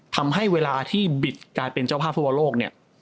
ทำให้เวลาที่บิดกลายเป็นเจ้าภาพภูมิโลก